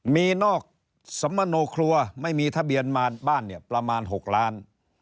มีนอกสมโนครัวไม่มีทะเบียนมาบ้านเนี่ยประมาณ๖ล้าน